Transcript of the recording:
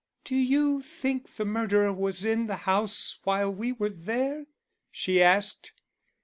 "Do you think the murderer was in the house while we were there?" she asked.